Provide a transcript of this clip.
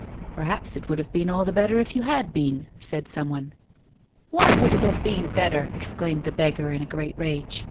"Perhaps it would have been all the better if you had been," said some one. " Why would it have been better 1 " exclaimed the beggar in a great rage.